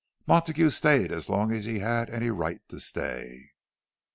Montague stayed as long as he had any right to stay.